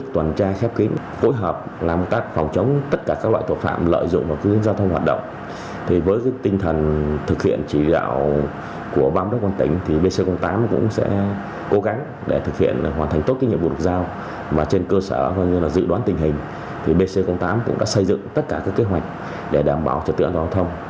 trên cơ sở dự đoán tình hình bc tám cũng đã xây dựng tất cả các kế hoạch để đảm bảo cho tượng giao thông